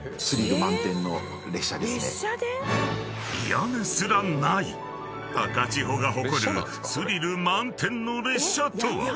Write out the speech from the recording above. ［屋根すらない高千穂が誇るスリル満点の列車とは？］